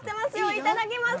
いただきます。